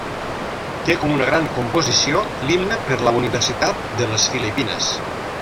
Té com una gran composició l'himne per la Universitat de les Filipines.